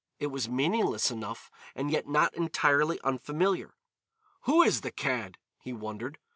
It was meaningless enough, and yet not entirely unfamiliar. "Who is the cad," he wondered.